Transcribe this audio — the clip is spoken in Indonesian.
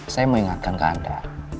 saya ingatkan ke anda